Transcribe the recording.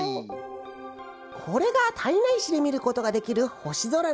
これが胎内市でみることができるほしぞらなんだ。